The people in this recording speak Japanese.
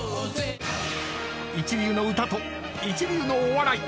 ［一流の歌と一流のお笑い］